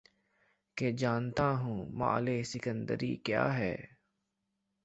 کہ جانتا ہوں مآل سکندری کیا ہے